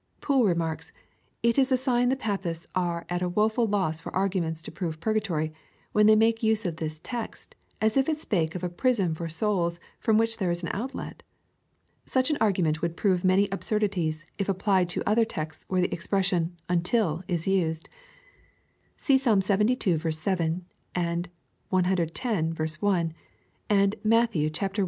Poole remarks, " It is a sign the Papists are at a woeful loss for arguments to prove purgatory, when they make use of this text, as if it spake of a prison for souls, from which there is an outlet." Such an argu ment would prove many absurdities, if apphed to other texts where the expression " until" is used. See Psalm Ixxii. 7, and ex. 1 ; and Matt L 26.